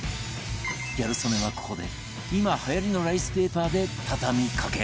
ギャル曽根はここで今はやりのライスペーパーで畳みかける